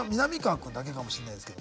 君だけかもしんないですけど。